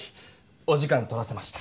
お時間取らせました。